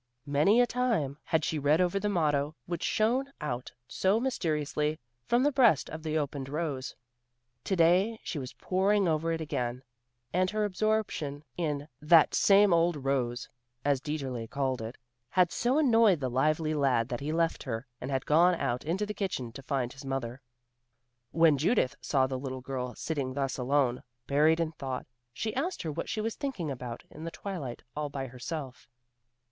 Many a time had she read over the motto which shone out so mysteriously from the breast of the opened rose. To day she was poring over it again, and her absorption in "that same old rose," as Dieterli called it, had so annoyed the lively lad that he left her, and had gone out into the kitchen to find his mother. When Judith saw the girl sitting thus alone, buried in thought, she asked her what she was thinking about in the twilight all by herself.